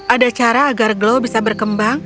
ada cara agar glow bisa berkembang